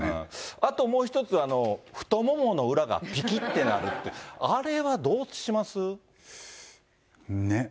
あともう一つ、太ももの裏がぴきってなるって、あれはどうしね。